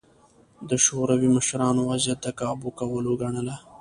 د شوروي مشرانو وضعیت د کابو کولو ګڼله